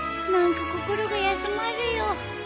何か心が休まるよ。